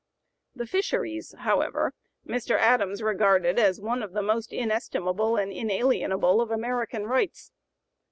The fisheries, however, Mr. Adams regarded as one of the most inestimable and inalienable of American rights.